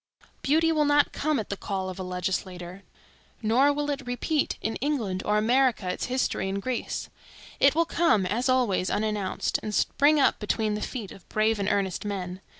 Beauty will not come at the call of a legislature, nor will it repeat in England or America its history in Greece. It will come, as always, unannounced, and spring up between the feet of brave and earnest men.